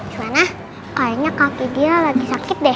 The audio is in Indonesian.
cuma kayaknya kaki dia lagi sakit deh